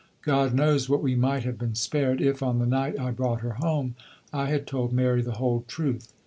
God knows what we might have been spared if, on the night I brought her home, I had told Mary the whole truth!